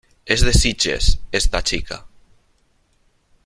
Es de Sitges, esta chica.